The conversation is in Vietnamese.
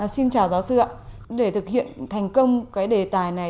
xin chào giáo sư ạ để thực hiện thành công cái đề tài này